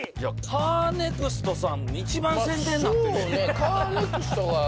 カーネクストさん一番宣伝なってるやんそうね